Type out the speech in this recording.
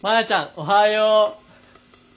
おはよう。